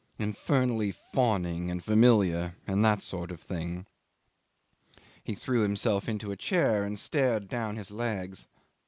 Infernally fawning and familiar and that sort of thing ..." He threw himself into a chair and stared down his legs.